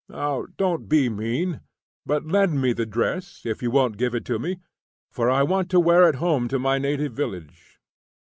"Now, don't be mean, but lend me the dress, if you won't give it to me, for I want to wear it home to my native village."